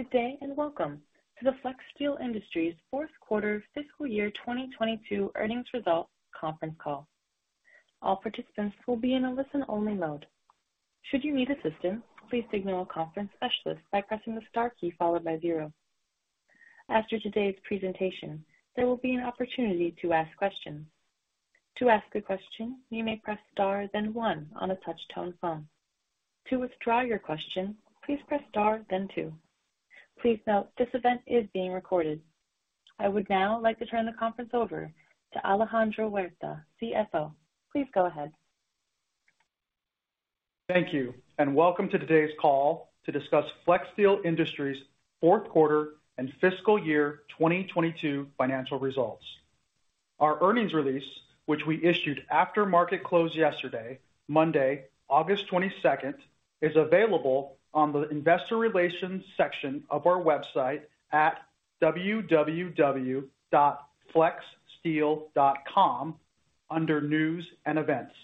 Good day, and welcome to the Flexsteel Industries fourth quarter fiscal year 2022 earnings result conference call. All participants will be in a listen-only mode. Should you need assistance, please signal a conference specialist by pressing the star key followed by zero. After today's presentation, there will be an opportunity to ask questions. To ask a question, you may press star then one on a touch-tone phone. To withdraw your question, please press star then two. Please note this event is being recorded. I would now like to turn the conference over to Alejandro Huerta, CFO. Please go ahead. Thank you, and welcome to today's call to discuss Flexsteel Industries' fourth quarter and fiscal year 2022 financial results. Our earnings release, which we issued after market close yesterday, Monday, August 22, is available on the investor relations section of our website at www.flexsteel.com under News and Events.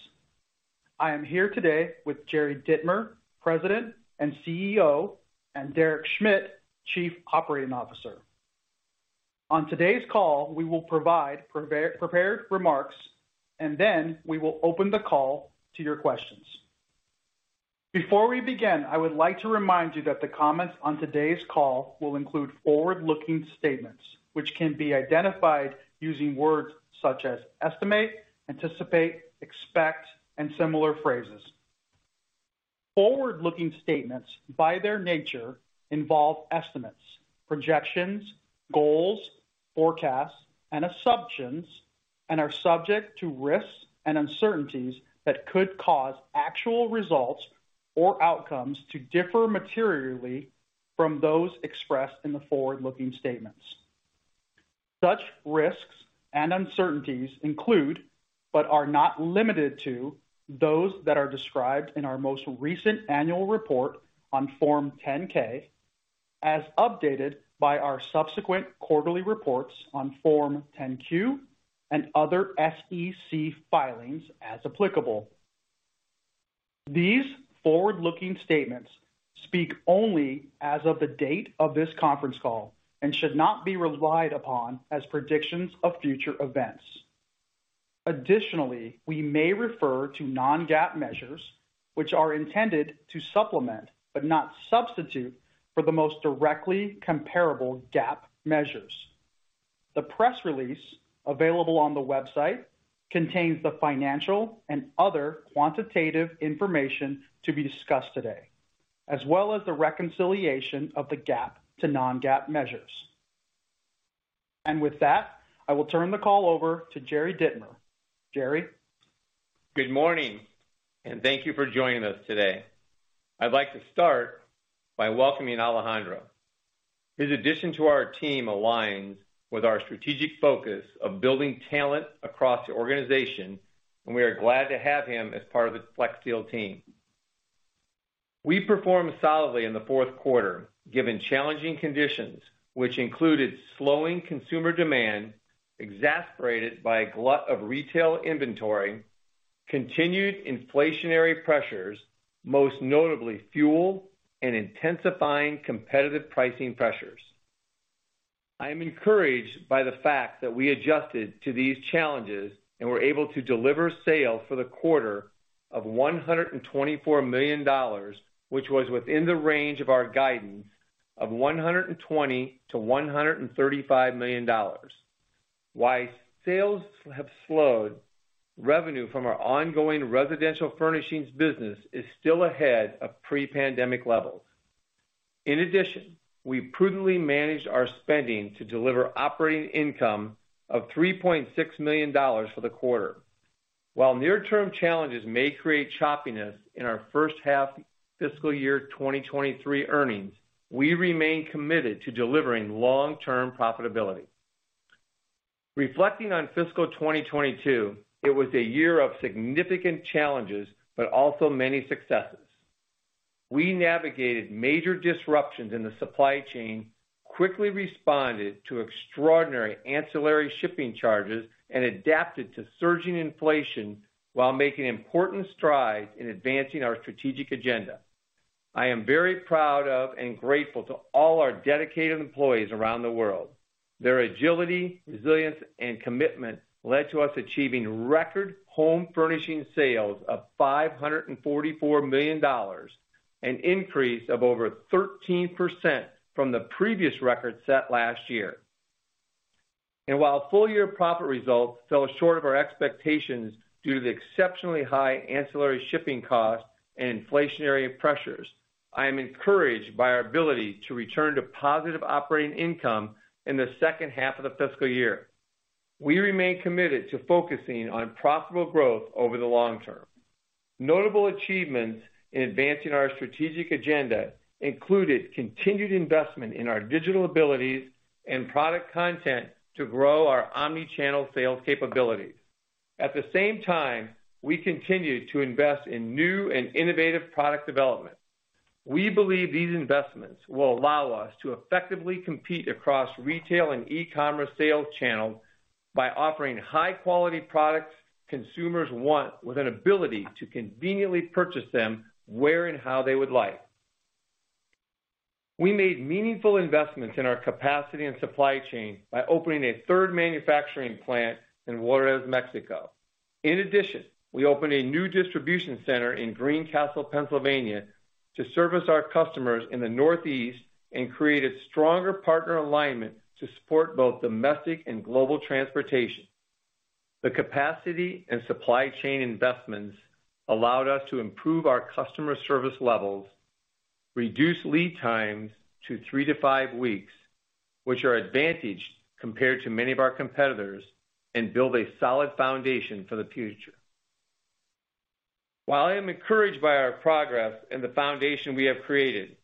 I am here today with Jerald K. Dittmer, President and CEO, and Derek Schmidt, Chief Operating Officer. On today's call, we will provide prepared remarks, and then we will open the call to your questions. Before we begin, I would like to remind you that the comments on today's call will include forward-looking statements, which can be identified using words such as estimate, anticipate, expect, and similar phrases. Forward-looking statements, by their nature, involve estimates, projections, goals, forecasts, and assumptions, and are subject to risks and uncertainties that could cause actual results or outcomes to differ materially from those expressed in the forward-looking statements. Such risks and uncertainties include, but are not limited to, those that are described in our most recent annual report on Form 10-K as updated by our subsequent quarterly reports on Form 10-Q and other SEC filings as applicable. These forward-looking statements speak only as of the date of this conference call and should not be relied upon as predictions of future events. Additionally, we may refer to non-GAAP measures, which are intended to supplement, but not substitute, for the most directly comparable GAAP measures. The press release available on the website contains the financial and other quantitative information to be discussed today, as well as the reconciliation of the GAAP to non-GAAP measures. With that, I will turn the call over to Jerry Dittmer. Jerry. Good morning, and thank you for joining us today. I'd like to start by welcoming Alejandro. His addition to our team aligns with our strategic focus of building talent across the organization, and we are glad to have him as part of the Flexsteel team. We performed solidly in the fourth quarter, given challenging conditions, which included slowing consumer demand, exacerbated by a glut of retail inventory, continued inflationary pressures, most notably fuel and intensifying competitive pricing pressures. I am encouraged by the fact that we adjusted to these challenges and were able to deliver sales for the quarter of $124 million, which was within the range of our guidance of $120-$135 million. While sales have slowed, revenue from our ongoing residential furnishings business is still ahead of pre-pandemic levels. In addition, we prudently managed our spending to deliver operating income of $3.6 million for the quarter. While near-term challenges may create choppiness in our first half fiscal year 2023 earnings, we remain committed to delivering long-term profitability. Reflecting on fiscal 2022, it was a year of significant challenges, but also many successes. We navigated major disruptions in the supply chain, quickly responded to extraordinary ancillary shipping charges, and adapted to surging inflation while making important strides in advancing our strategic agenda. I am very proud of and grateful to all our dedicated employees around the world. Their agility, resilience, and commitment led to us achieving record home furnishing sales of $544 million, an increase of over 13% from the previous record set last year. While full-year profit results fell short of our expectations due to the exceptionally high ancillary shipping costs and inflationary pressures, I am encouraged by our ability to return to positive operating income in the second half of the fiscal year. We remain committed to focusing on profitable growth over the long term. Notable achievements in advancing our strategic agenda included continued investment in our digital abilities and product content to grow our omni-channel sales capabilities. At the same time, we continued to invest in new and innovative product development. We believe these investments will allow us to effectively compete across retail and e-commerce sales channels. By offering high-quality products consumers want with an ability to conveniently purchase them where and how they would like. We made meaningful investments in our capacity and supply chain by opening a third manufacturing plant in Juárez, Mexico. In addition, we opened a new distribution center in Greencastle, Pennsylvania, to service our customers in the Northeast and created stronger partner alignment to support both domestic and global transportation. The capacity and supply chain investments allowed us to improve our customer service levels, reduce lead times to three to five weeks, which are advantaged compared to many of our competitors, and build a solid foundation for the future. While I am encouraged by our progress and the foundation we have created,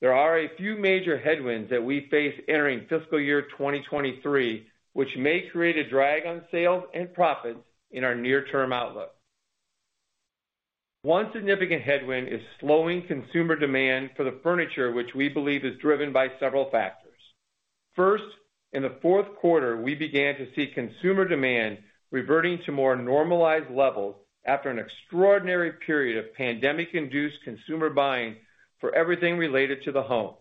there are a few major headwinds that we face entering fiscal year 2023, which may create a drag on sales and profits in our near-term outlook. One significant headwind is slowing consumer demand for the furniture, which we believe is driven by several factors. First, in the fourth quarter, we began to see consumer demand reverting to more normalized levels after an extraordinary period of pandemic-induced consumer buying for everything related to the home.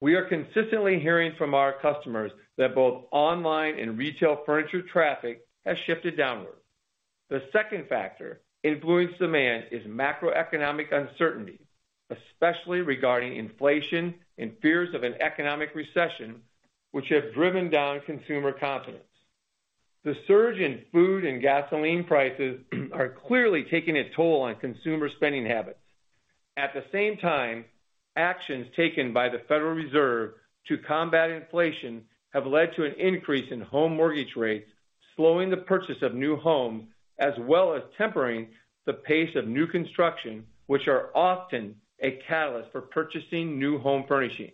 We are consistently hearing from our customers that both online and retail furniture traffic has shifted downward. The second factor influencing demand is macroeconomic uncertainty, especially regarding inflation and fears of an economic recession, which have driven down consumer confidence. The surge in food and gasoline prices are clearly taking a toll on consumer spending habits. At the same time, actions taken by the Federal Reserve to combat inflation have led to an increase in home mortgage rates, slowing the purchase of new homes, as well as tempering the pace of new construction, which are often a catalyst for purchasing new home furnishings.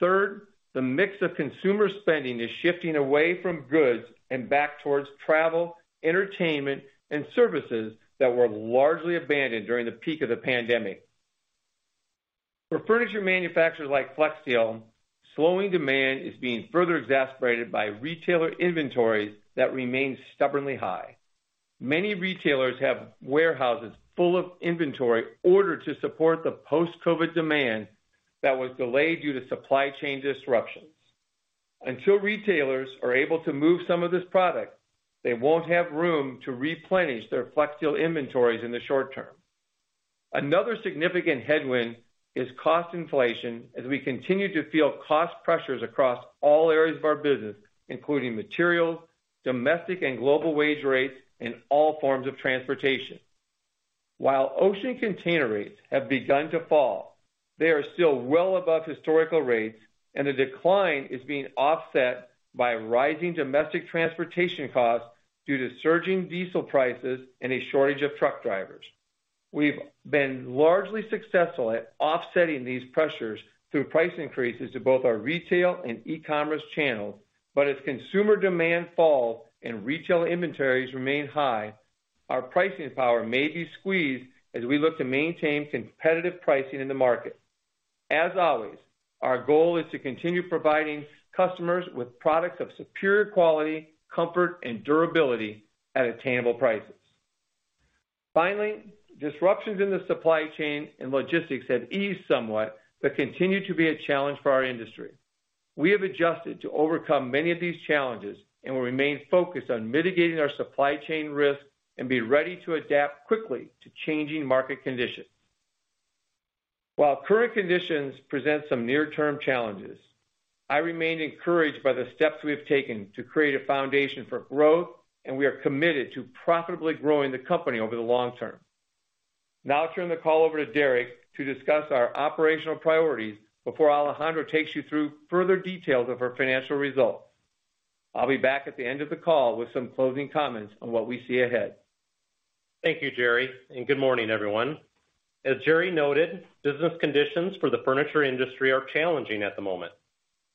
Third, the mix of consumer spending is shifting away from goods and back towards travel, entertainment, and services that were largely abandoned during the peak of the pandemic. For furniture manufacturers like Flexsteel, slowing demand is being further exacerbated by retailer inventories that remain stubbornly high. Many retailers have warehouses full of inventory ordered to support the post-COVID demand that was delayed due to supply chain disruptions. Until retailers are able to move some of this product, they won't have room to replenish their Flexsteel inventories in the short term. Another significant headwind is cost inflation as we continue to feel cost pressures across all areas of our business, including materials, domestic and global wage rates, and all forms of transportation. While ocean container rates have begun to fall, they are still well above historical rates, and the decline is being offset by rising domestic transportation costs due to surging diesel prices and a shortage of truck drivers. We've been largely successful at offsetting these pressures through price increases to both our retail and e-commerce channels, but as consumer demand falls and retail inventories remain high, our pricing power may be squeezed as we look to maintain competitive pricing in the market. As always, our goal is to continue providing customers with products of superior quality, comfort, and durability at attainable prices. Finally, disruptions in the supply chain and logistics have eased somewhat but continue to be a challenge for our industry. We have adjusted to overcome many of these challenges and will remain focused on mitigating our supply chain risks and be ready to adapt quickly to changing market conditions. While current conditions present some near-term challenges, I remain encouraged by the steps we have taken to create a foundation for growth, and we are committed to profitably growing the company over the long term. Now I'll turn the call over to Derek to discuss our operational priorities before Alejandro takes you through further details of our financial results. I'll be back at the end of the call with some closing comments on what we see ahead. Thank you, Jerry, and good morning, everyone. As Jerry noted, business conditions for the furniture industry are challenging at the moment,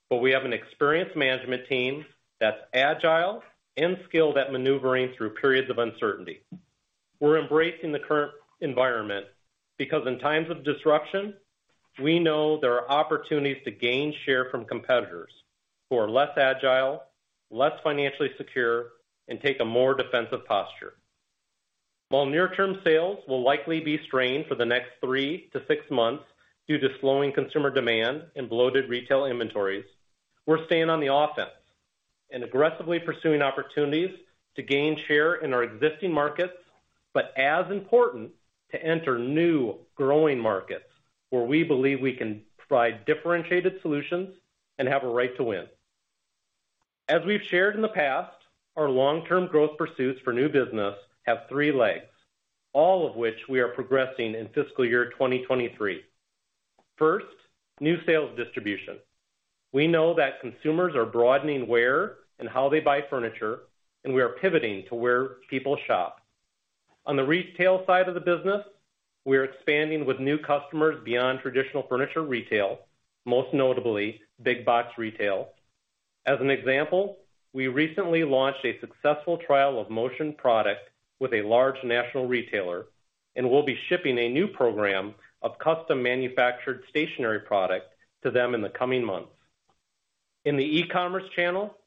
but we have an experienced management team that's agile and skilled at maneuvering through periods of uncertainty. We're embracing the current environment because in times of disruption, we know there are opportunities to gain share from competitors who are less agile, less financially secure, and take a more defensive posture. While near-term sales will likely be strained for the next 3-6 months due to slowing consumer demand and bloated retail inventories, we're staying on the offense and aggressively pursuing opportunities to gain share in our existing markets, but as important, to enter new growing markets where we believe we can provide differentiated solutions and have a right to win. As we've shared in the past, our long-term growth pursuits for new business have three legs, all of which we are progressing in fiscal year 2023. First, new sales distribution. We know that consumers are broadening where and how they buy furniture, and we are pivoting to where people shop. On the retail side of the business, we are expanding with new customers beyond traditional furniture retail, most notably big box retail. As an example, we recently launched a successful trial of motion product with a large national retailer. We'll be shipping a new program of custom manufactured stationary product to them in the coming months. In the e-commerce channel,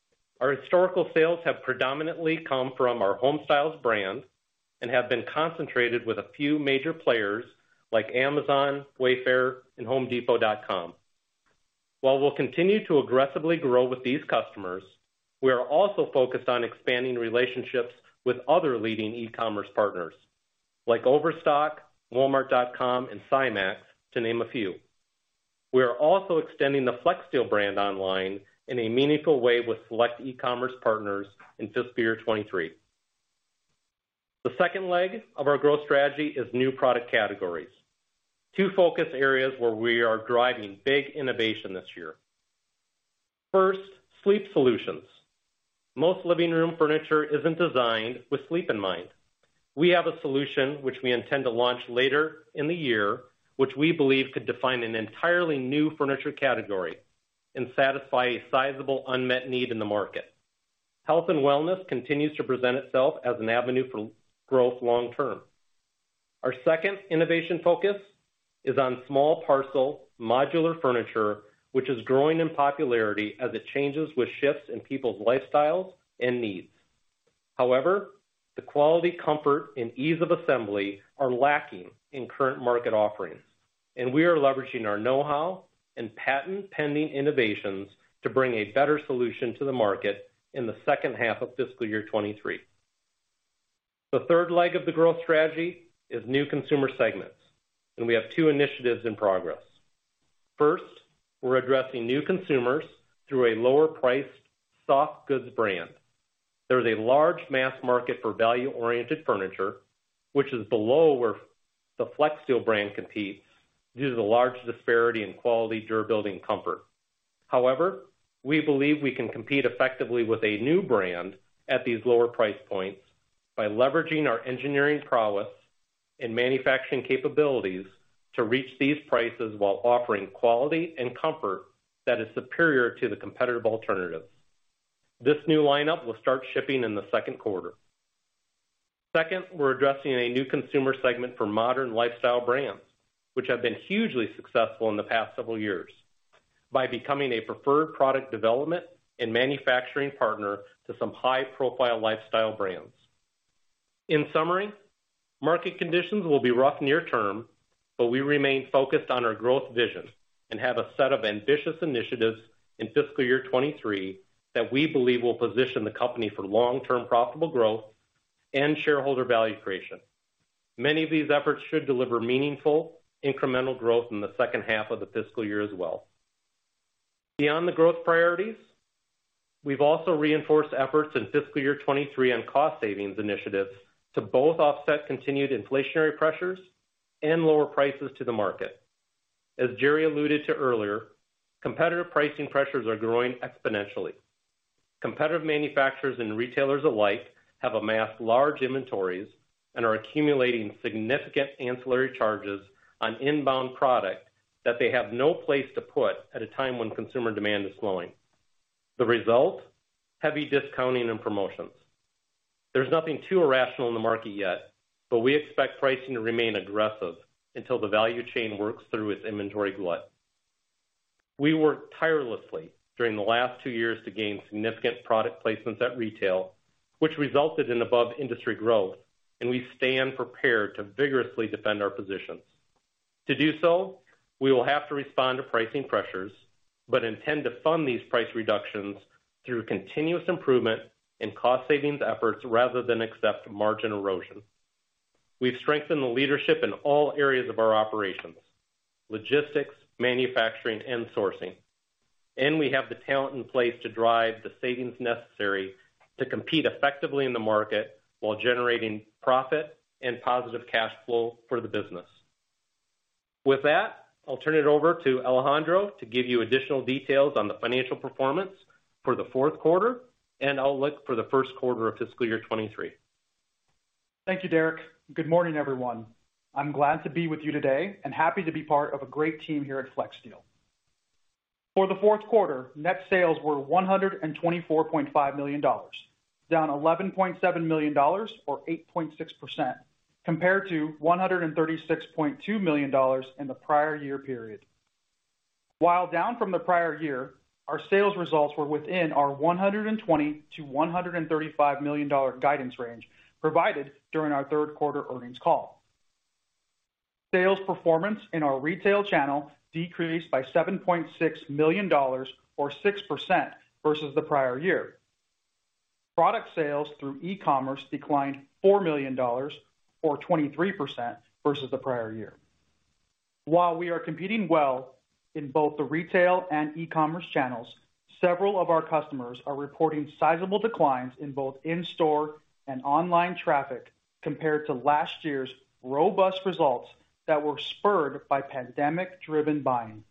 our historical sales have predominantly come from our Home Styles brand and have been concentrated with a few major players like Amazon, Wayfair, and homedepot.com. While we'll continue to aggressively grow with these customers, we are also focused on expanding relationships with other leading e-commerce partners like Overstock, Walmart.com, and Cymax to name a few. We are also extending the Flexsteel brand online in a meaningful way with select e-commerce partners in fiscal year 2023. The second leg of our growth strategy is new product categories. Two focus areas where we are driving big innovation this year. First, sleep solutions. Most living room furniture isn't designed with sleep in mind. We have a solution which we intend to launch later in the year, which we believe could define an entirely new furniture category and satisfy a sizable unmet need in the market. Health and wellness continues to present itself as an avenue for growth long term. Our second innovation focus is on small parcel modular furniture, which is growing in popularity as it changes with shifts in people's lifestyles and needs. However, the quality, comfort, and ease of assembly are lacking in current market offerings, and we are leveraging our know-how and patent-pending innovations to bring a better solution to the market in the second half of fiscal year 2023. The third leg of the growth strategy is new consumer segments, and we have two initiatives in progress. First, we're addressing new consumers through a lower-priced soft goods brand. There is a large mass market for value-oriented furniture, which is below where the Flexsteel brand competes due to the large disparity in quality, durability, and comfort. However, we believe we can compete effectively with a new brand at these lower price points by leveraging our engineering prowess and manufacturing capabilities to reach these prices while offering quality and comfort that is superior to the competitive alternatives. This new lineup will start shipping in the second quarter. Second, we're addressing a new consumer segment for modern lifestyle brands, which have been hugely successful in the past several years by becoming a preferred product development and manufacturing partner to some high-profile lifestyle brands. In summary, market conditions will be rough near term, but we remain focused on our growth vision and have a set of ambitious initiatives in fiscal year 2023 that we believe will position the company for long-term profitable growth and shareholder value creation. Many of these efforts should deliver meaningful incremental growth in the second half of the fiscal year as well. Beyond the growth priorities, we've also reinforced efforts in fiscal year 2023 on cost savings initiatives to both offset continued inflationary pressures and lower prices to the market. As Jerry alluded to earlier, competitive pricing pressures are growing exponentially. Competitive manufacturers and retailers alike have amassed large inventories and are accumulating significant ancillary charges on inbound product that they have no place to put at a time when consumer demand is slowing. The result, heavy discounting and promotions. There's nothing too irrational in the market yet, but we expect pricing to remain aggressive until the value chain works through its inventory glut. We worked tirelessly during the last two years to gain significant product placements at retail, which resulted in above-industry growth, and we stand prepared to vigorously defend our positions. To do so, we will have to respond to pricing pressures, but intend to fund these price reductions through continuous improvement in cost savings efforts rather than accept margin erosion. We've strengthened the leadership in all areas of our operations, logistics, manufacturing, and sourcing, and we have the talent in place to drive the savings necessary to compete effectively in the market while generating profit and positive cash flow for the business. With that, I'll turn it over to Alejandro to give you additional details on the financial performance for the fourth quarter and outlook for the first quarter of fiscal year 2023. Thank you, Derek. Good morning, everyone. I'm glad to be with you today and happy to be part of a great team here at Flexsteel. For the fourth quarter, net sales were $124.5 million, down $11.7 million or 8.6% compared to $136.2 million in the prior year period. While down from the prior year, our sales results were within our $120-$135 million guidance range provided during our third quarter earnings call. Sales performance in our retail channel decreased by $7.6 million or 6% versus the prior year. Product sales through e-commerce declined $4 million or 23% versus the prior year. While we are competing well in both the retail and e-commerce channels, several of our customers are reporting sizable declines in both in-store and online traffic compared to last year's robust results that were spurred by pandemic-driven buying.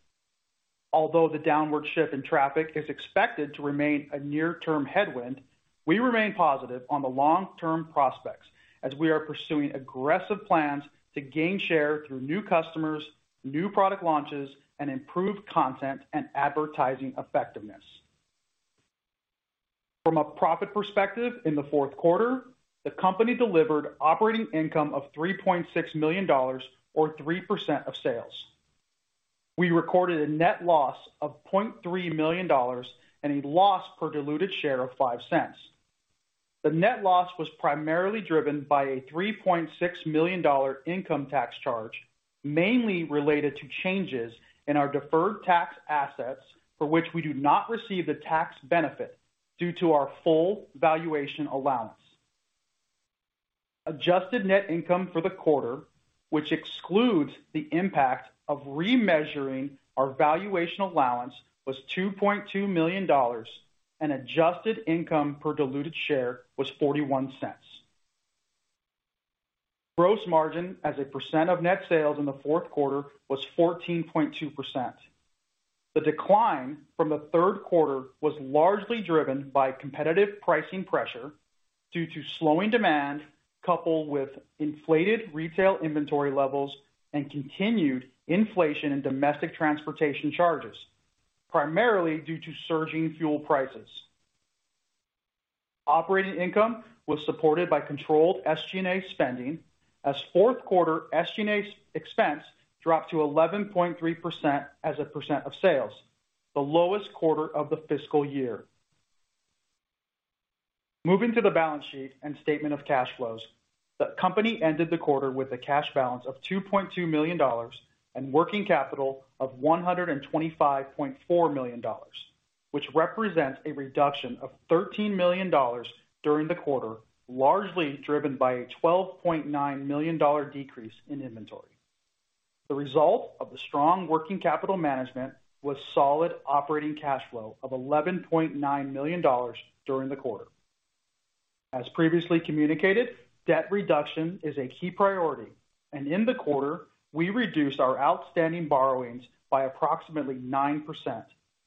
Although the downward shift in traffic is expected to remain a near-term headwind, we remain positive on the long-term prospects as we are pursuing aggressive plans to gain share through new customers, new product launches, and improved content and advertising effectiveness. From a profit perspective in the fourth quarter, the company delivered operating income of $3.6 million or 3% of sales. We recorded a net loss of $0.3 million and a loss per diluted share of $0.05. The net loss was primarily driven by a $3.6 million income tax charge, mainly related to changes in our deferred tax assets, for which we do not receive the tax benefit due to our full valuation allowance. Adjusted net income for the quarter, which excludes the impact of remeasuring our valuation allowance, was $2.2 million, and adjusted income per diluted share was $0.41. Gross margin as a % of net sales in the fourth quarter was 14.2%. The decline from the third quarter was largely driven by competitive pricing pressure due to slowing demand, coupled with inflated retail inventory levels and continued inflation in domestic transportation charges, primarily due to surging fuel prices. Operating income was supported by controlled SG&A spending as fourth quarter SG&A expense dropped to 11.3% as a percent of sales, the lowest quarter of the fiscal year. Moving to the balance sheet and statement of cash flows. The company ended the quarter with a cash balance of $2.2 million and working capital of $125.4 million, which represents a reduction of $13 million during the quarter, largely driven by a $12.9 million decrease in inventory. The result of the strong working capital management was solid operating cash flow of $11.9 million during the quarter. As previously communicated, debt reduction is a key priority, and in the quarter we reduced our outstanding borrowings by approximately 9%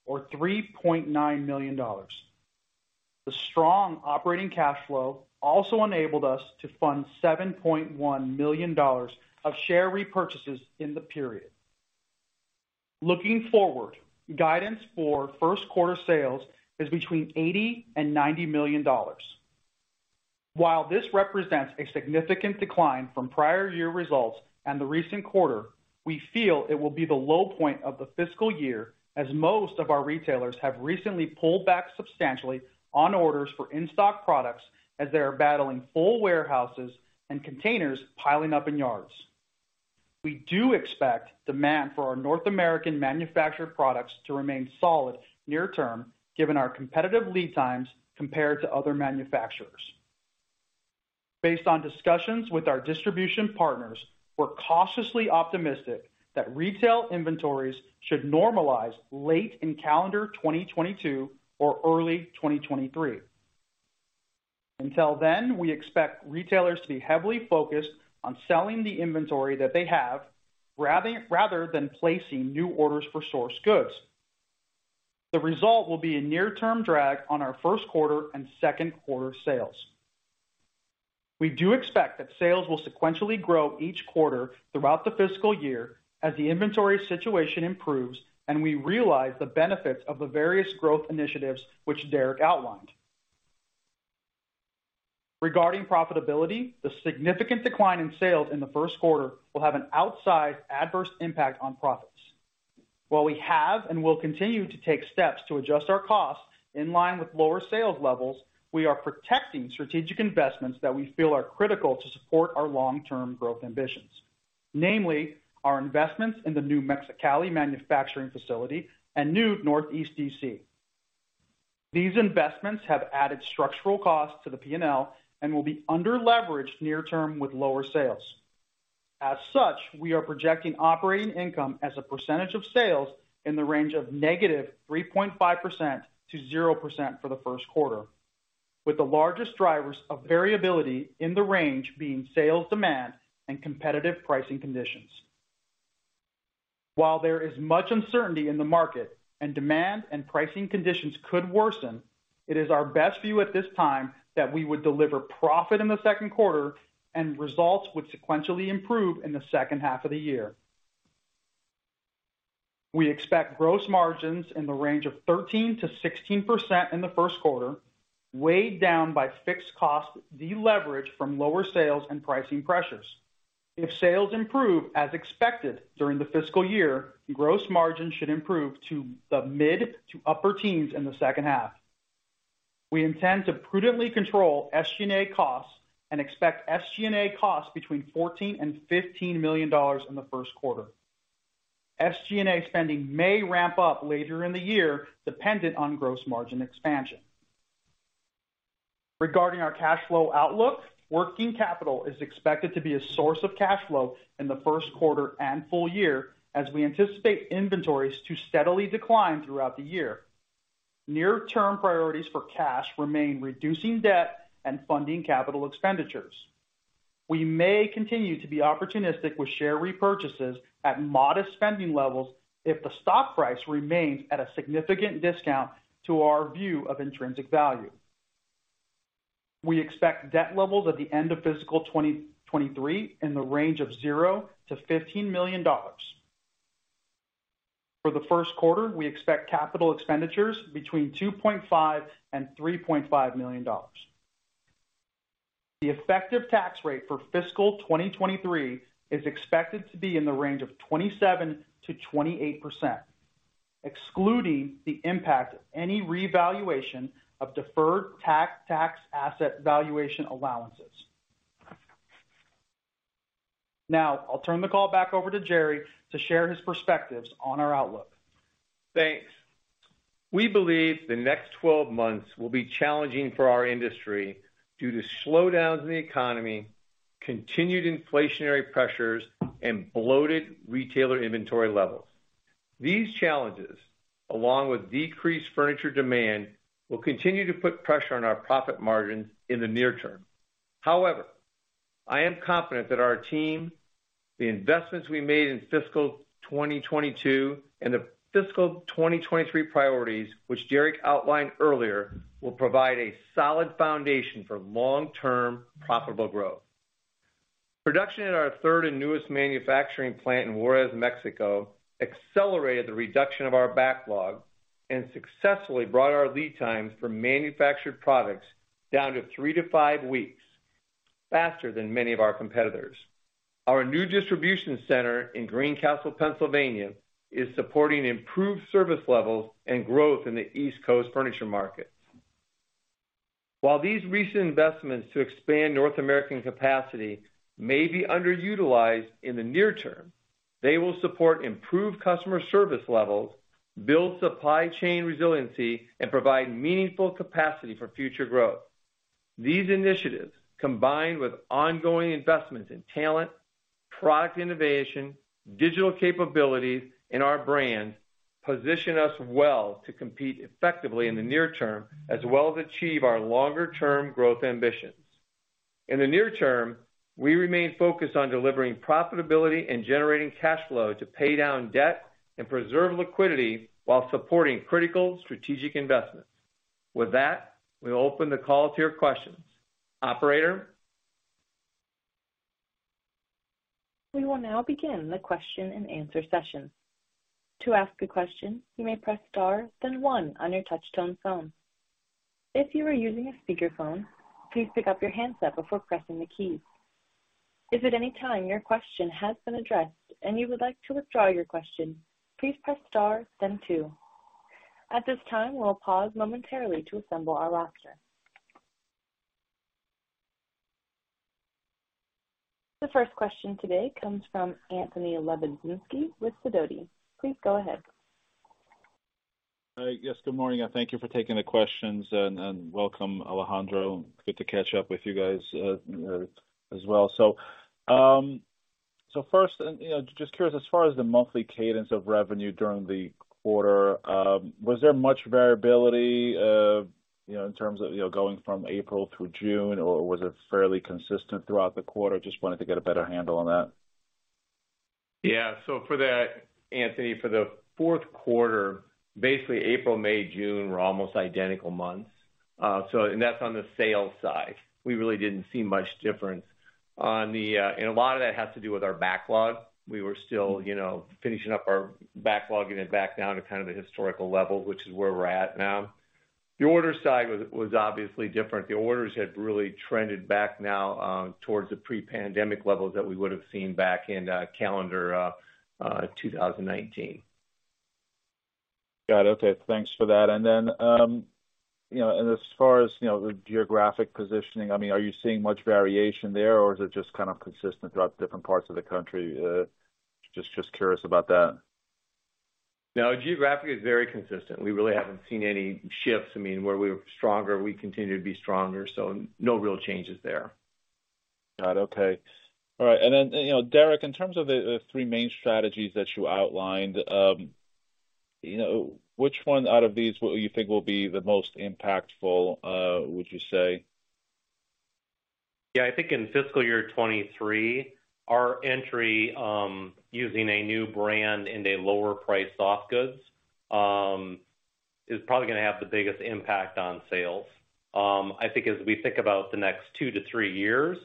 or $3.9 million. The strong operating cash flow also enabled us to fund $7.1 million of share repurchases in the period. Looking forward, guidance for first quarter sales is between $80 million and $90 million. While this represents a significant decline from prior year results and the recent quarter, we feel it will be the low point of the fiscal year as most of our retailers have recently pulled back substantially on orders for in-stock products as they are battling full warehouses and containers piling up in yards. We do expect demand for our North American manufactured products to remain solid near-term, given our competitive lead times compared to other manufacturers. Based on discussions with our distribution partners, we're cautiously optimistic that retail inventories should normalize late in calendar 2022 or early 2023. Until then, we expect retailers to be heavily focused on selling the inventory that they have, rather than placing new orders for sourced goods. The result will be a near-term drag on our first quarter and second quarter sales. We do expect that sales will sequentially grow each quarter throughout the fiscal year as the inventory situation improves and we realize the benefits of the various growth initiatives which Derek outlined. Regarding profitability, the significant decline in sales in the first quarter will have an outsized adverse impact on profits. While we have and will continue to take steps to adjust our costs in line with lower sales levels, we are protecting strategic investments that we feel are critical to support our long-term growth ambitions, namely our investments in the new Mexicali manufacturing facility and new Northeast DC. These investments have added structural costs to the P&L and will be under leveraged near term with lower sales. As such, we are projecting operating income as a percentage of sales in the range of -3.5%-0% for the first quarter, with the largest drivers of variability in the range being sales demand and competitive pricing conditions. While there is much uncertainty in the market and demand and pricing conditions could worsen, it is our best view at this time that we would deliver profit in the second quarter and results would sequentially improve in the second half of the year. We expect gross margins in the range of 13%-16% in the first quarter, weighed down by fixed cost deleverage from lower sales and pricing pressures. If sales improve as expected during the fiscal year, gross margin should improve to the mid- to upper-teens % in the second half. We intend to prudently control SG&A costs and expect SG&A costs between $14 million and $15 million in the first quarter. SG&A spending may ramp up later in the year, dependent on gross margin expansion. Regarding our cash flow outlook, working capital is expected to be a source of cash flow in the first quarter and full year as we anticipate inventories to steadily decline throughout the year. Near term priorities for cash remain reducing debt and funding capital expenditures. We may continue to be opportunistic with share repurchases at modest spending levels if the stock price remains at a significant discount to our view of intrinsic value. We expect debt levels at the end of fiscal 2023 in the range of $0-$15 million. For the first quarter, we expect capital expenditures between $2.5-$3.5 million. The effective tax rate for fiscal 2023 is expected to be in the range of 27%-28%, excluding the impact of any revaluation of deferred tax asset valuation allowances. Now, I'll turn the call back over to Jerry to share his perspectives on our outlook. Thanks. We believe the next 12 months will be challenging for our industry due to slowdowns in the economy, continued inflationary pressures, and bloated retailer inventory levels. These challenges, along with decreased furniture demand, will continue to put pressure on our profit margins in the near term. However, I am confident that our team, the investments we made in fiscal 2022 and the fiscal 2023 priorities, which Derek outlined earlier, will provide a solid foundation for long-term profitable growth. Production at our third and newest manufacturing plant in Juárez, Mexico, accelerated the reduction of our backlog and successfully brought our lead times for manufactured products down to 3-5 weeks, faster than many of our competitors. Our new distribution center in Greencastle, Pennsylvania, is supporting improved service levels and growth in the East Coast furniture market. While these recent investments to expand North American capacity may be underutilized in the near term, they will support improved customer service levels, build supply chain resiliency, and provide meaningful capacity for future growth. These initiatives, combined with ongoing investments in talent, product innovation, digital capabilities, and our brand, position us well to compete effectively in the near term as well as achieve our longer-term growth ambitions. In the near term, we remain focused on delivering profitability and generating cash flow to pay down debt and preserve liquidity while supporting critical strategic investments. With that, we open the call to your questions. Operator? We will now begin the question-and-answer session. To ask a question, you may press star, then one on your touchtone phone. If you are using a speakerphone, please pick up your handset before pressing the keys. If at any time your question has been addressed and you would like to withdraw your question, please press star then two. At this time, we'll pause momentarily to assemble our roster. The first question today comes from Anthony Lebiedzinski with Sidoti. Please go ahead. Yes, good morning. I thank you for taking the questions and welcome, Alejandro. Good to catch up with you guys, as well. First and, you know, just curious, as far as the monthly cadence of revenue during the quarter, was there much variability, you know, in terms of, you know, going from April through June? Or was it fairly consistent throughout the quarter? Just wanted to get a better handle on that. Yeah. For that, Anthony, for the fourth quarter, basically April, May, June were almost identical months. That's on the sales side. We really didn't see much difference. A lot of that has to do with our backlog. We were still, you know, finishing up our backlog and then back down to kind of a historical level, which is where we're at now. The order side was obviously different. The orders have really trended back now, towards the pre-pandemic levels that we would have seen back in calendar 2019. Got it. Okay. Thanks for that. You know, and as far as, you know, the geographic positioning, I mean, are you seeing much variation there, or is it just kind of consistent throughout the different parts of the country? Just curious about that. No, geographic is very consistent. We really haven't seen any shifts. I mean, where we were stronger, we continue to be stronger. No real changes there. Got it. Okay. All right. You know, Derek, in terms of the three main strategies that you outlined, you know, which one out of these you think will be the most impactful, would you say? Yeah. I think in fiscal year 2023, our entry using a new brand in the lower price soft goods is probably gonna have the biggest impact on sales. I think as we think about the next two to three years,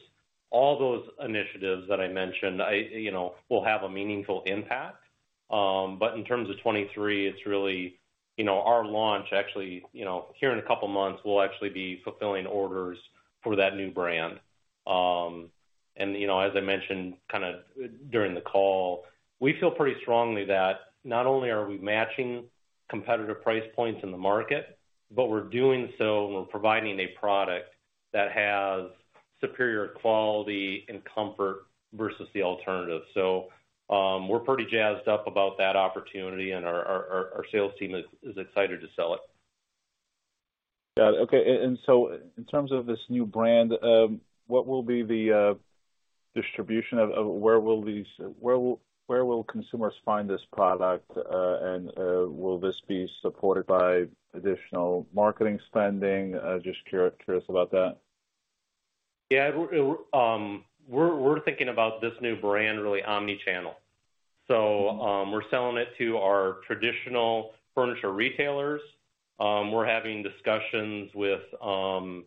all those initiatives that I mentioned, you know, will have a meaningful impact. In terms of 2023, it's really, you know, our launch actually, you know. Here in a couple of months, we'll actually be fulfilling orders for that new brand. And you know, as I mentioned kind of during the call, we feel pretty strongly that not only are we matching competitive price points in the market, but we're doing so and we're providing a product that has superior quality and comfort versus the alternative. We're pretty jazzed up about that opportunity, and our sales team is excited to sell it. Got it. Okay. In terms of this new brand, what will be the distribution of where consumers will find this product? Will this be supported by additional marketing spending? Just curious about that. Yeah. We're thinking about this new brand really omni-channel. We're selling it to our traditional furniture retailers. We're having discussions with, you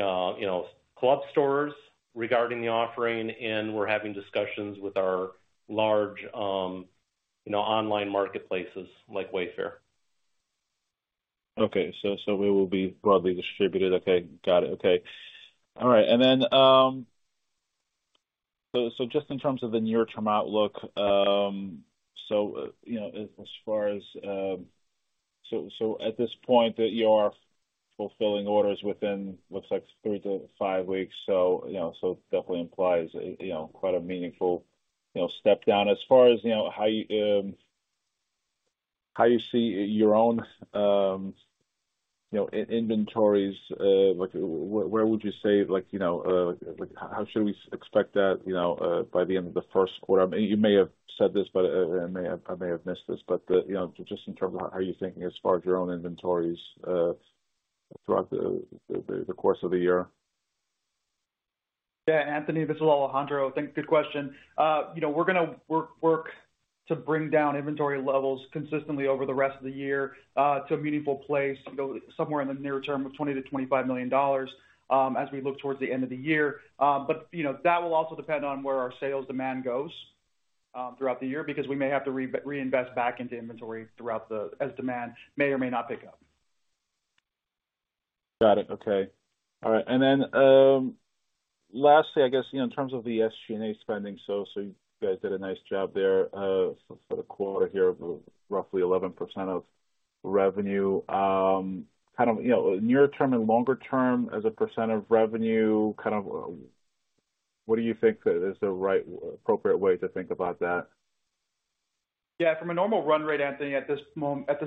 know, club stores regarding the offering, and we're having discussions with our large, you know, online marketplaces like Wayfair. We will be broadly distributed. Okay, got it. Okay. All right. Just in terms of the near-term outlook, you know, as far as, at this point, you are fulfilling orders within looks like three to five weeks, so, you know, so definitely implies, you know, quite a meaningful, you know, step down. As far as, you know, how you see your own, you know, inventories, like, where would you say, like, you know, like how should we expect that, you know, by the end of the first quarter? I mean, you may have said this, but I may have missed this, but you know, just in terms of how are you thinking as far as your own inventories throughout the course of the year? Yeah, Anthony, this is Alejandro. Thanks. Good question. You know, we're gonna work to bring down inventory levels consistently over the rest of the year, to a meaningful place, go somewhere in the near term of $20-$25 million, as we look towards the end of the year. You know, that will also depend on where our sales demand goes, throughout the year because we may have to reinvest back into inventory as demand may or may not pick up. Got it. Okay. All right. Lastly, I guess, you know, in terms of the SG&A spending, so you guys did a nice job there for the quarter here of roughly 11% of revenue. Kind of, you know, near term and longer term as a % of revenue, kind of what do you think is the right appropriate way to think about that? Yeah, from a normal run rate, Anthony, at this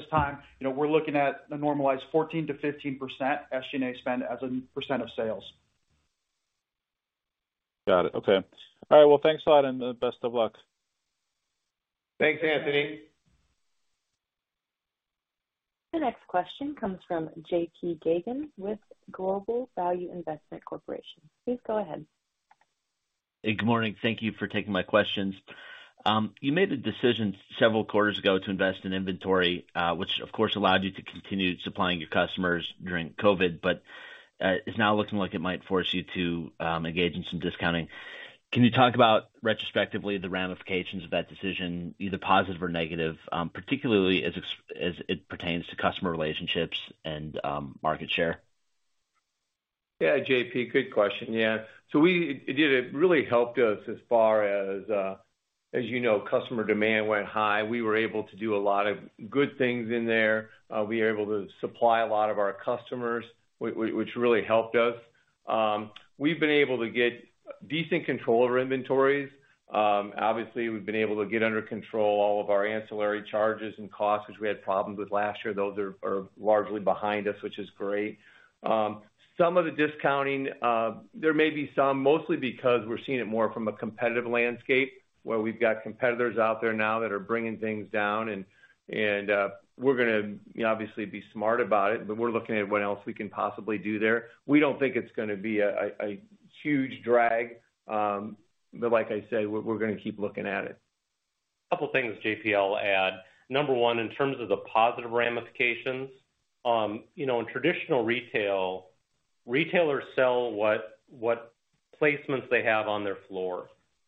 time, you know, we're looking at a normalized 14%-15% SG&A spend as a percent of sales. Got it. Okay. All right. Well, thanks a lot, and best of luck. Thanks, Anthony. The next question comes from JP Geygan with Global Value Investment Corporation. Please go ahead. Hey, good morning. Thank you for taking my questions. You made the decision several quarters ago to invest in inventory, which of course allowed you to continue supplying your customers during COVID, but it's now looking like it might force you to engage in some discounting. Can you talk about retrospectively the ramifications of that decision, either positive or negative, particularly as it pertains to customer relationships and market share? Yeah, JP, good question. Yeah. It did, it really helped us as far as you know, customer demand went high. We were able to do a lot of good things in there. We were able to supply a lot of our customers, which really helped us. We've been able to get decent control over inventories. Obviously, we've been able to get under control all of our ancillary charges and costs, which we had problems with last year. Those are largely behind us, which is great. Some of the discounting, there may be some, mostly because we're seeing it more from a competitive landscape, where we've got competitors out there now that are bringing things down and we're gonna, you know, obviously be smart about it, but we're looking at what else we can possibly do there. We don't think it's gonna be a huge drag, but like I said, we're gonna keep looking at it. A couple of things, JP, I'll add. Number one, in terms of the positive ramifications, you know, in traditional retail, retailers sell what placements they have on their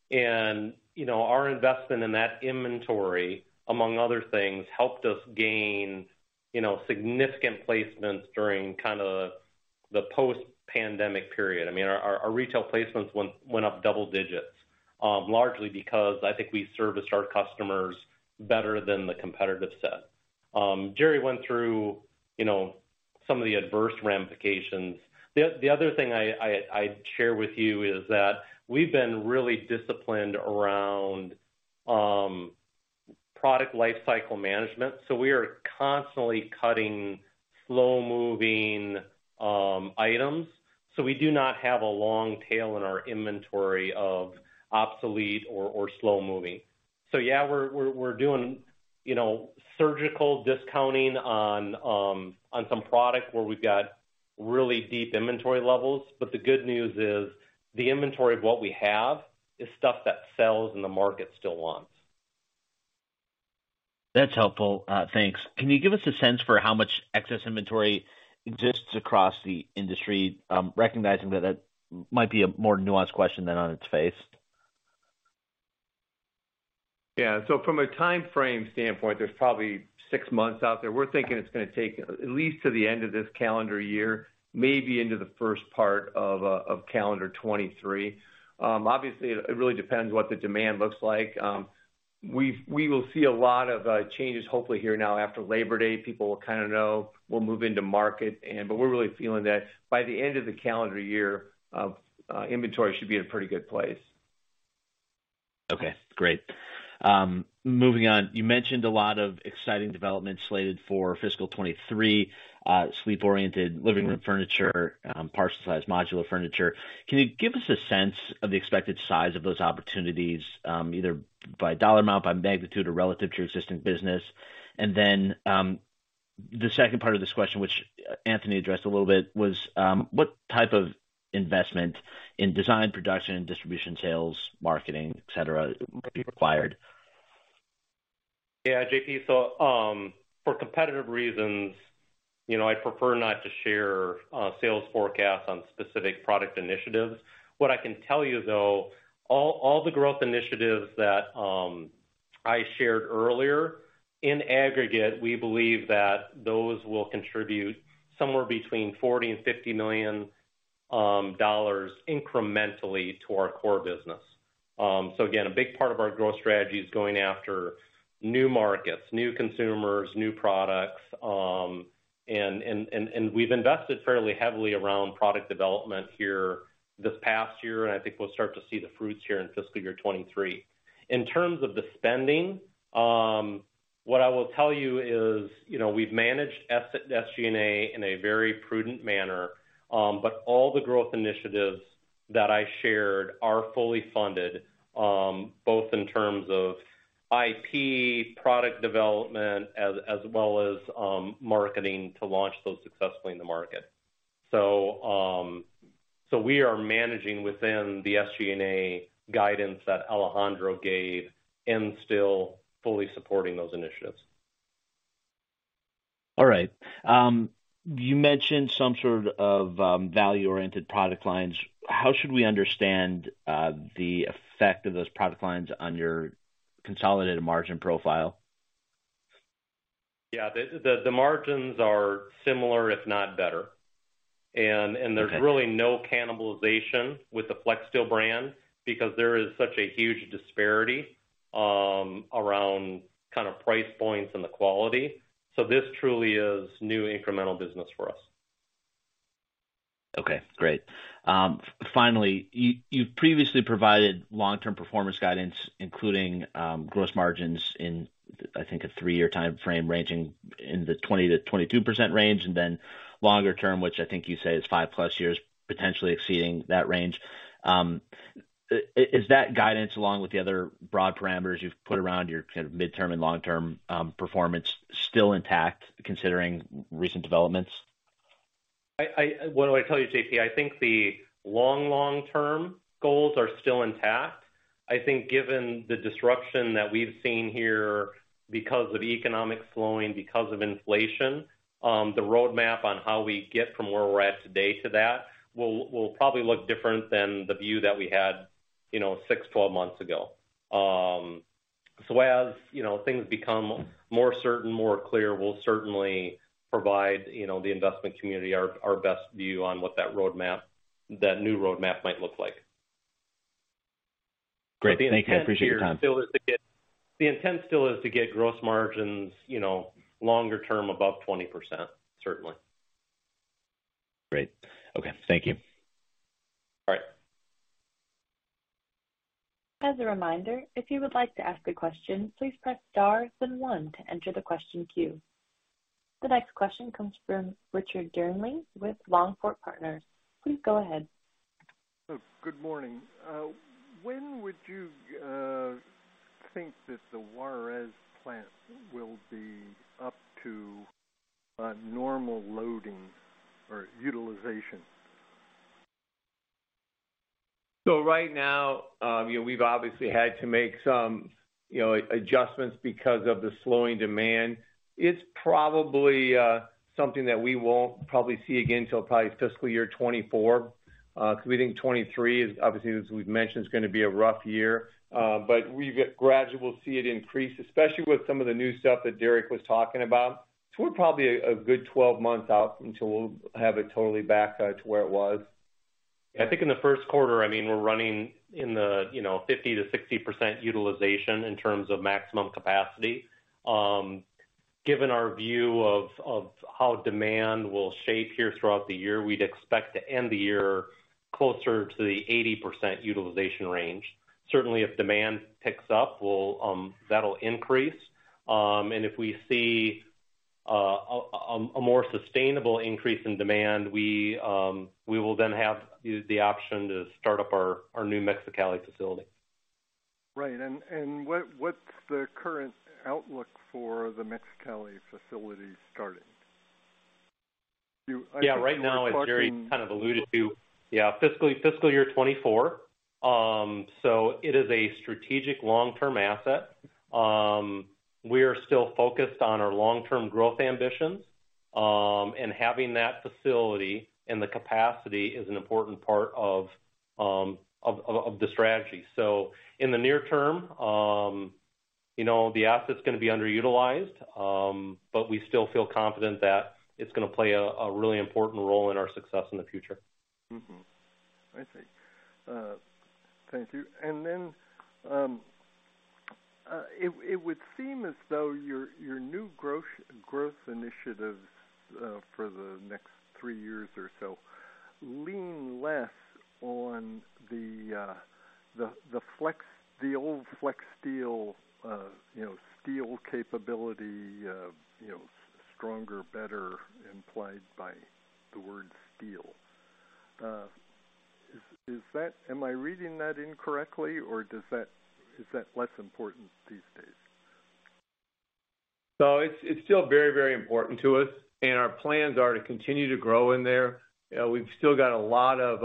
floor. You know, our investment in that inventory, among other things, helped us gain, you know, significant placements during kind of the post-pandemic period. I mean, our retail placements went up double digits, largely because I think we serviced our customers better than the competitive set. Jerry went through, you know, some of the adverse ramifications. The other thing I'd share with you is that we've been really disciplined around product lifecycle management. We are constantly cutting slow-moving items. We do not have a long tail in our inventory of obsolete or slow-moving. Yeah, we're doing, you know, surgical discounting on some product where we've got really deep inventory levels. The good news is the inventory of what we have is stuff that sells and the market still wants. That's helpful. Thanks. Can you give us a sense for how much excess inventory exists across the industry? Recognizing that might be a more nuanced question than on its face. Yeah. From a timeframe standpoint, there's probably six months out there. We're thinking it's gonna take at least to the end of this calendar year, maybe into the first part of calendar 2023. Obviously, it really depends what the demand looks like. We will see a lot of changes hopefully here now after Labor Day. People will kinda know. We'll move into market but we're really feeling that by the end of the calendar year, inventory should be in a pretty good place. Okay, great. Moving on. You mentioned a lot of exciting developments slated for fiscal 2023, sleep-oriented living room furniture, parcel size modular furniture. Can you give us a sense of the expected size of those opportunities, either by dollar amount, by magnitude, or relative to your existing business? The second part of this question, which Anthony addressed a little bit, was what type of investment in design, production, distribution, sales, marketing, et cetera, would be required? Yeah, JP, for competitive reasons, you know, I prefer not to share sales forecasts on specific product initiatives. What I can tell you though, all the growth initiatives that I shared earlier, in aggregate, we believe that those will contribute somewhere between $40 million and $50 million dollars incrementally to our core business. Again, a big part of our growth strategy is going after new markets, new consumers, new products. And we've invested fairly heavily around product development here this past year, and I think we'll start to see the fruits here in fiscal year 2023. In terms of the spending, what I will tell you is, you know, we've managed SG&A in a very prudent manner, but all the growth initiatives that I shared are fully funded, both in terms of IP, product development, as well as, marketing to launch those successfully in the market. We are managing within the SG&A guidance that Alejandro gave and still fully supporting those initiatives. All right. You mentioned some sort of value-oriented product lines. How should we understand the effect of those product lines on your consolidated margin profile? Yeah. The margins are similar, if not better. Okay. There's really no cannibalization with the Flexsteel brand because there is such a huge disparity around kind of price points and the quality. This truly is new incremental business for us. Okay, great. Finally, you previously provided long-term performance guidance, including gross margins in, I think, a three year timeframe ranging in the 20%-22% range, and then longer term, which I think you say is five+ years, potentially exceeding that range. Is that guidance along with the other broad parameters you've put around your kind of midterm and long-term performance still intact considering recent developments? What do I tell you, JP? I think the long, long term goals are still intact. I think given the disruption that we've seen here because of economic slowing, because of inflation, the roadmap on how we get from where we're at today to that will probably look different than the view that we had, you know, six, 12 months ago. As, you know, things become more certain, more clear, we'll certainly provide, you know, the investment community our best view on what that roadmap, that new roadmap might look like. Great. Thank you. I appreciate your time. The intent still is to get gross margins, you know, longer term above 20%, certainly. Great. Okay. Thank you. All right. As a reminder, if you would like to ask a question, please press star then one to enter the question queue. The next question comes from Richard Dearnley with Longford Partners. Please go ahead. Good morning. When would you think that the Juarez plant will be up to normal loading or utilization? Right now, you know, we've obviously had to make some, you know, adjustments because of the slowing demand. It's probably something that we won't probably see again till probably fiscal year 2024. We think 2023 is obviously, as we've mentioned, gonna be a rough year. We gradually will see it increase, especially with some of the new stuff that Derek was talking about. We're probably a good 12 months out until we'll have it totally back to where it was. I think in the first quarter, I mean, we're running in the, you know, 50%-60% utilization in terms of maximum capacity. Given our view of how demand will shape here throughout the year, we'd expect to end the year closer to the 80% utilization range. Certainly, if demand picks up, we'll that'll increase. If we see a more sustainable increase in demand, we will then have the option to start up our new Mexicali facility. Right. What's the current outlook for the Mexicali facility starting? You- Yeah. Right now, as Derek kind of alluded to. Yeah. Fiscal year 2024. It is a strategic long-term asset. We are still focused on our long-term growth ambitions, and having that facility and the capacity is an important part of the strategy. In the near term, you know, the asset's gonna be underutilized, but we still feel confident that it's gonna play a really important role in our success in the future. It would seem as though your new growth initiatives for the next three years or so lean less on the old Flexsteel, you know, steel capability, you know, stronger, better implied by the word steel. Am I reading that incorrectly, or is that less important these days? It's still very, very important to us, and our plans are to continue to grow in there. We've still got a lot of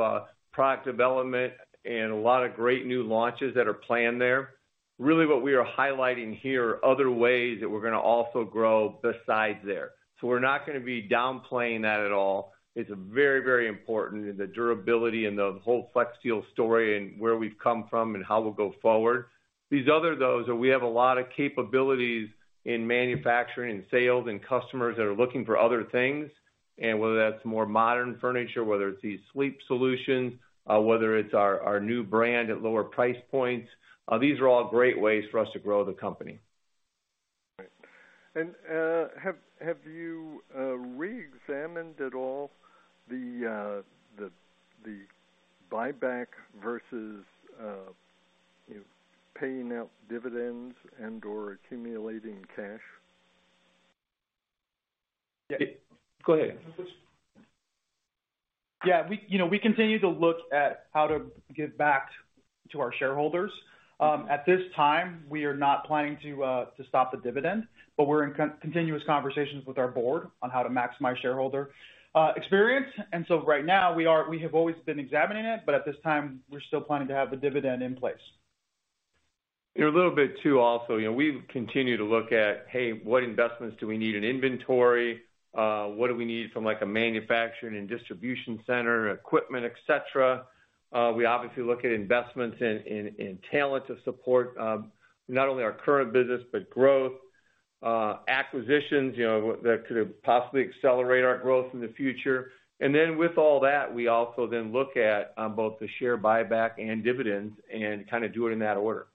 product development and a lot of great new launches that are planned there. Really what we are highlighting here are other ways that we're gonna also grow besides there. We're not gonna be downplaying that at all. It's very, very important and the durability and the whole Flexsteel story and where we've come from and how we'll go forward. We have a lot of capabilities in manufacturing, sales, and customers that are looking for other things, and whether that's more modern furniture, whether it's these sleep solutions, whether it's our new brand at lower price points, these are all great ways for us to grow the company. Right. Have you reexamined at all the buyback versus, you know, paying out dividends and/or accumulating cash? Yeah. Go ahead. Yeah. You know, we continue to look at how to give back to our shareholders. At this time, we are not planning to stop the dividend, but we're in continuous conversations with our board on how to maximize shareholder experience. Right now we have always been examining it, but at this time, we're still planning to have the dividend in place. You know, a little bit too, also, you know, we continue to look at, hey, what investments do we need in inventory? What do we need from, like, a manufacturing and distribution center, equipment, et cetera. We obviously look at investments in talent to support not only our current business, but growth. Acquisitions, you know, that could possibly accelerate our growth in the future. With all that, we also look at both the share buyback and dividends and kinda do it in that order.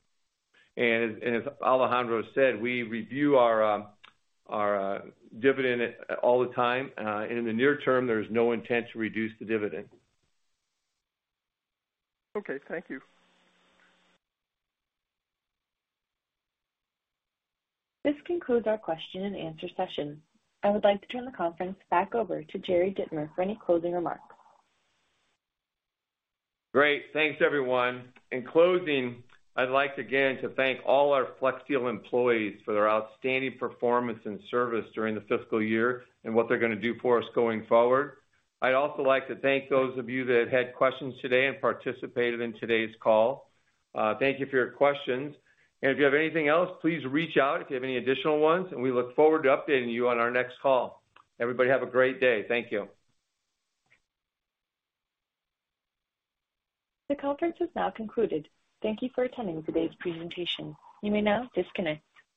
As Alejandro said, we review our dividend all the time. In the near term, there is no intent to reduce the dividend. Okay. Thank you. This concludes our question and answer session. I would like to turn the conference back over to Jerry Dittmer for any closing remarks. Great. Thanks, everyone. In closing, I'd like again to thank all our Flexsteel employees for their outstanding performance and service during the fiscal year and what they're gonna do for us going forward. I'd also like to thank those of you that had questions today and participated in today's call. Thank you for your questions. If you have anything else, please reach out if you have any additional ones, and we look forward to updating you on our next call. Everybody, have a great day. Thank you. The conference has now concluded. Thank you for attending today's presentation. You may now disconnect.